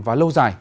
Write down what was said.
và lâu dài